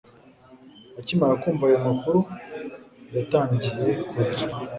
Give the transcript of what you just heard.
Akimara kumva ayo makuru yatangiye kurira